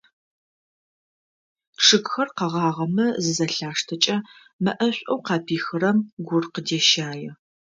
Чъыгхэр къэгъагъэмэ зызэлъаштэкӏэ, мэӏэшӏоу къапихырэм гур къыдещае.